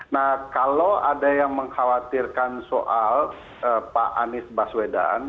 nah kalau ada yang mengkhawatirkan soal pak anies baswedan